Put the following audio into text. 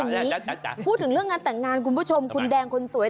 พูดอย่างนี้พูดถึงเรื่องงานต่างงานคุณผู้ชมคุณแดงคนสวย